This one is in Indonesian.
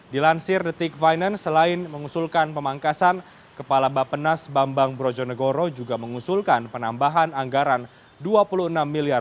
dilansir the tick finance selain mengusulkan pemangkasan kepala bapenas bambang brojonegoro juga mengusulkan penambahan anggaran rp dua puluh enam miliar